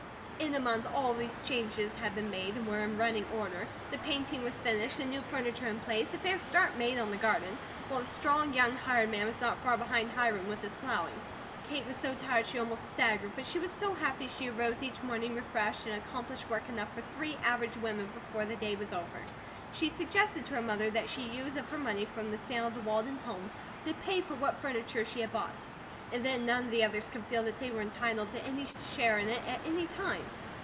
In a month all of these changes had been made, and were in running order; the painting was finished, new furniture in place, a fair start made on the garden, while a strong, young, hired man was not far behind Hiram with his plowing. Kate was so tired she almost staggered; but she was so happy she arose each morning refreshed, and accomplished work enough for three average women before the day was over. She suggested to her mother that she use her money from the sale of the Walden home to pay for what furniture she had bought, and then none of the others could feel that they were entitled to any share in it, at any time.